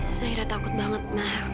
ma zaira takut banget ma